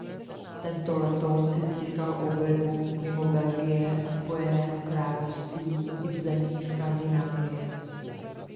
Tento letoun si získal oblibu mimo Belgie a Spojeného království i v zemích Skandinávie.